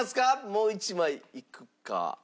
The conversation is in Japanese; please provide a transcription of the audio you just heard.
もう１枚いくか。